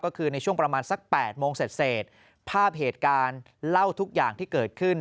ก็คือในช่วงประมาณสัก๘โมงเสร็จภาพเหตุการณ์เล่าทุกอย่างที่เกิดขึ้น